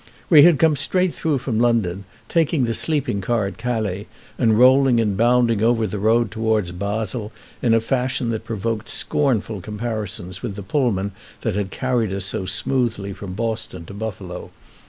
We had come straight through from London, taking the sleeping car at Calais, and rolling and bounding over the road towards Basle in a fashion that provoked scornful comparisons with the Pullman that had carried us so smoothly from Boston to Buffalo.